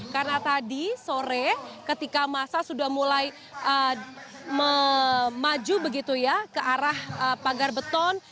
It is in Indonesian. karena tadi sore ketika masa sudah mulai maju begitu ya ke arah pagar beton